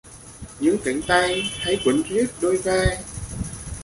Những cánh tay! Hãy quấn riết đôi vai!